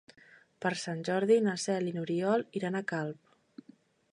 Per Sant Jordi na Cel i n'Oriol iran a Calp.